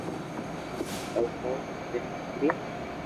او روز گھرو نيڪرين